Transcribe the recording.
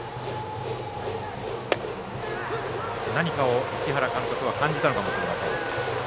何かを市原監督は感じたのかもしれません。